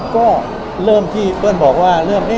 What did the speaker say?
ก็เริ่มที่เพื่อนบอกว่า